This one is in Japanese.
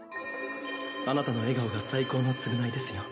あなたの笑顔が最高の償いですよ。